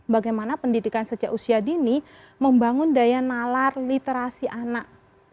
bagaimana pendidikan sejak usia dini membangun daya nalar literasi anak